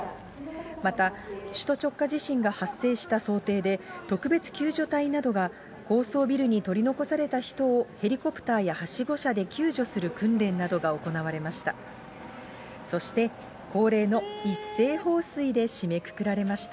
また首都直下地震が発生した想定で、特別救助隊などが高層ビルに取り残された人をヘリコプターやはしご車で救助する訓練などが行われました。